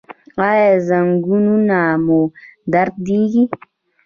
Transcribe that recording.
ایا زنګونونه مو دردیږي؟